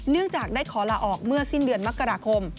จากได้ขอลาออกเมื่อสิ้นเดือนมกราคม